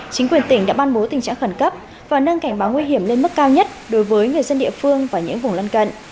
chính quyền tỉnh đã ban bố tình trạng khẩn cấp và nâng cảnh báo nguy hiểm lên mức cao nhất đối với người dân địa phương và những vùng lân cận